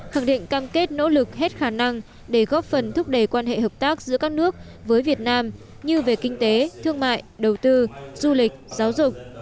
khẳng định cam kết nỗ lực hết khả năng để góp phần thúc đẩy quan hệ hợp tác giữa các nước với việt nam như về kinh tế thương mại đầu tư du lịch giáo dục